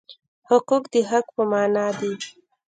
حقوق د حق په مانا دي.